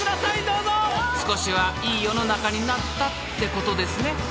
［少しはいい世の中になったってことですね？］